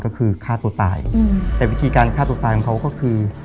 ก็คือฆ่าตัวตายแต่วิธีการฆ่าตัวตายของเขาก็คือ